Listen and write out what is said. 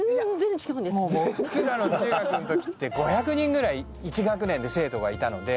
僕らの中学の時って５００人ぐらい１学年で生徒がいたので。